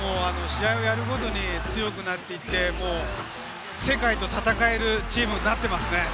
試合をやるごとに強くなって世界と戦えるチームになっていますね。